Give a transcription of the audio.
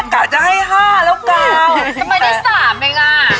โปรดติดตามตอนต่อไป